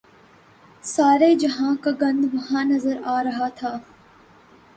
سارے جہان کا گند وہاں نظر آ رہا تھا۔